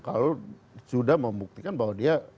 kalau sudah membuktikan bahwa dia